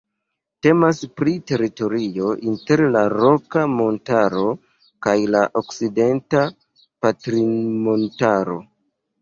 Temas pri teritorio inter la Roka Montaro kaj la Okcidenta Patrinmontaro.